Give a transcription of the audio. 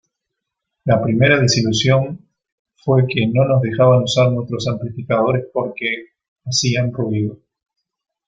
La primera desilusión fue que no nos dejaban usar nuestros amplificadores porque 'hacían ruido'.